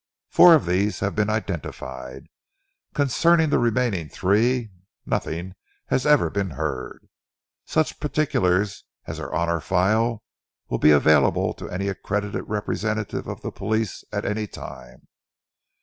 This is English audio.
Four of these have been identified. Concerning the remaining three nothing has ever been heard. Such particulars as are on our file will be available to any accredited representative of the police at any time.